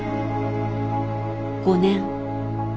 ５年。